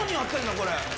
これ。